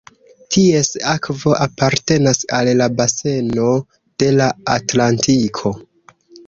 Ties akvo apartenas al la baseno de la Atlantiko.